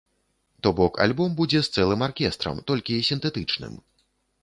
То бок альбом будзе з цэлым аркестрам, толькі сінтэтычным.